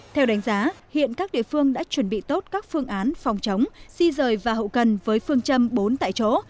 theo đánh giá hiện các địa phương đã chuẩn bị tốt các phương án phòng chống di rời và hậu cần với phương châm bốn tại chỗ